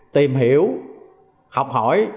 tìm hiểu học hỏi